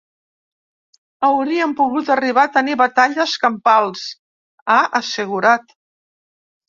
Hauríem pogut arribar a tenir batalles campals, ha assegurat.